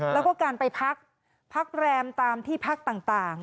แล้วก็การไปพักพักแรมตามที่พักต่าง